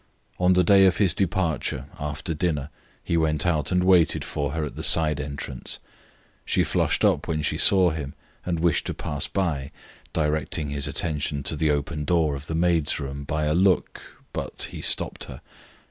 On the day of his departure, after dinner, he went out and waited for her at the side entrance. She flushed up when she saw him and wished to pass by, directing his attention to the open door of the maids' room by a look, but he stopped her.